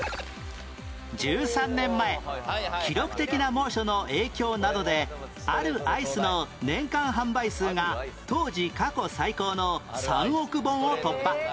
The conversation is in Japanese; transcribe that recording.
１３年前記録的な猛暑の影響などであるアイスの年間販売数が当時過去最高の３億本を突破